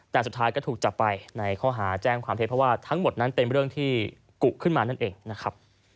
แต่สุดท้ายก็ถูกจับไปในข้อหาแจ้งความเท็จเพราะว่าทั้งหมดนั้นเป็นเรื่องที่กุขึ้นมานั่นเองนะครับ